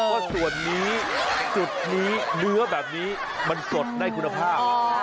ว่าส่วนนี้จุดนี้เนื้อแบบนี้มันสดได้คุณภาพ